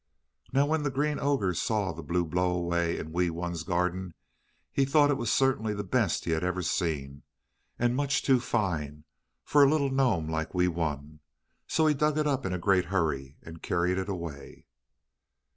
Now when the Green Ogre saw the blue blow away in Wee Wun's garden he thought it was certainly the best he had ever seen, and much too fine for a little gnome like Wee Wun. So he dug it up in a great hurry and carried it away.